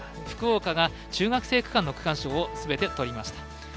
福岡が中学生区間の区間賞をすべてとりました。